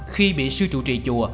khi bị sư chủ trì chùa